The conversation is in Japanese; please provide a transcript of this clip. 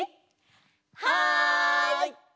はい！